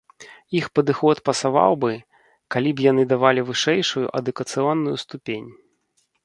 Іх падыход пасаваў бы, калі б яны давалі вышэйшую адукацыйную ступень.